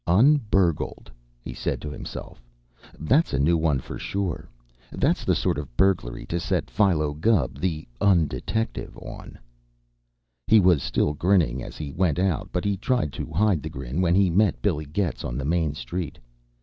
"Un burgled!" he said to himself. "That's a new one for sure! That's the sort of burglary to set Philo Gubb, the un detective, on." He was still grinning as he went out, but he tried to hide the grin when he met Billy Getz on Main Street.